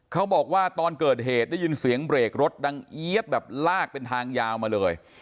เขาบอกว่าตอนเกิดเหตุได้ยินเสียงเบรกรถดังเอี๊ยดแบบลากเป็นทางยาวมาเลย